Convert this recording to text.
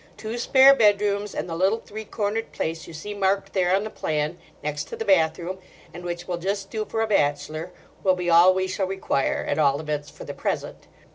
Two spare bedrooms, and the little three cornered place you see marked there on the plan, next to the bathroom, and which will just do for a bachelor, will be all we shall require—at all events, for the present.